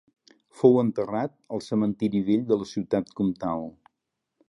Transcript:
Fou enterrat al cementiri vell de la ciutat comtal.